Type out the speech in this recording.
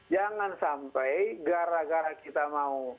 jangan sampai gara gara kita mau